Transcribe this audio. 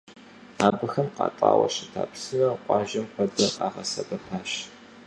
Абыхэм къатӏауэ щыта псынэр къуажэм куэдрэ къагъэсэбэпащ.